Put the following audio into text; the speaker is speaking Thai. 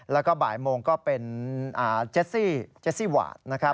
และก็บ่ายโมงก็เป็นเจสซีวาด